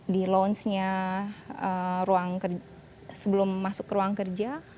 di lounge nya sebelum masuk ke ruang kerja